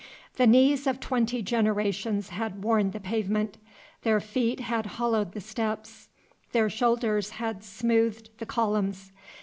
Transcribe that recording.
The knees of twenty generations had worn the pavement; their feet had hollowed the steps; their shoulders had smoothed the columns.